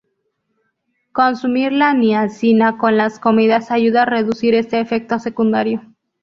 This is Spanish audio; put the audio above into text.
Consumir la niacina con las comidas ayuda a reducir este efecto secundario.